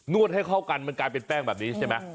วดให้เข้ากันมันกลายเป็นแป้งแบบนี้ใช่ไหม